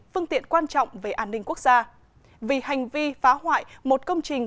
phương tiện quan trọng về an ninh quốc gia vì hành vi phá hoại một công trình